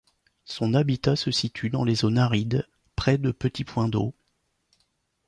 Son habitat se situe dans des zones arides, près de petits points d'eau.